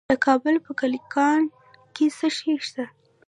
د کابل په کلکان کې څه شی شته؟